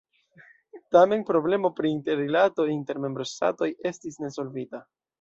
Tamen problemo pri interrilato inter membroŝtatoj estis ne solvita.